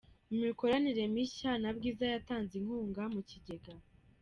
Mu mikoranire mishya na Bwiza yatanze inkunga mu kigega